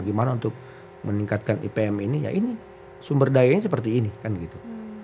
gimana untuk meningkatkan ipm ini ya ini sumber dayanya seperti ini kan gitu